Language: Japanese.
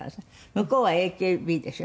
向こうは「ＡＫＢ」でしょ？